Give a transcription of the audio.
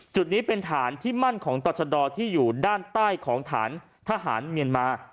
จุดนี้เป็นฐานที่มั่นของต่อชะดอที่อยู่ด้านใต้ของฐานทหารเมียนมา